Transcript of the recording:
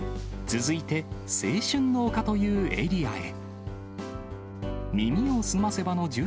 続いて青春の丘というエリアへ。